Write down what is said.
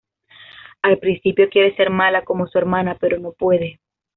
Al principio quiere ser mala como su hermana, pero no puede.